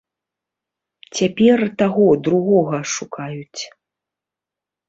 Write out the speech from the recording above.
Цяпер таго другога шукаюць.